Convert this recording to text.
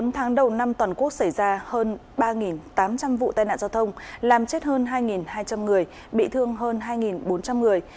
bốn tháng đầu năm toàn quốc xảy ra hơn ba tám trăm linh vụ tai nạn giao thông làm chết hơn hai hai trăm linh người bị thương hơn hai bốn trăm linh người